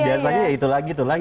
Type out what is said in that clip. jangan lagi ya itu lagi itu lagi